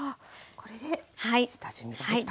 これで下準備ができたと。